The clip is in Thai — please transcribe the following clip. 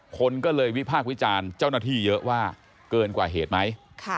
คนก็เลยวิพากษ์วิจารณ์เจ้าหน้าที่เยอะว่าเกินกว่าเหตุไหม